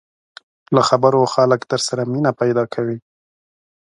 له خبرو خلک در سره مینه پیدا کوي